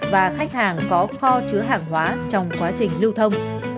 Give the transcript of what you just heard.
và khách hàng có kho chứa hàng hóa trong quá trình lưu thông